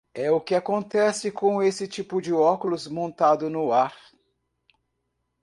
É o que acontece com esse tipo de óculos montado no ar.